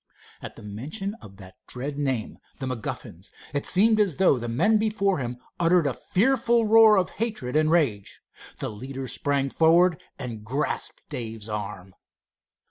At the mention of that dread name, "the MacGuffins," it seemed as though the men before him uttered a fearful roar of hatred and rage. The leader sprang forward and grasped Dave's arm.